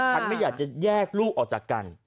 ฉันไม่อยากจะแยกลูกออกจากกัน